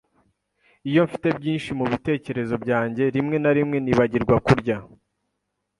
Iyo mfite byinshi mubitekerezo byanjye, rimwe na rimwe nibagirwa kurya.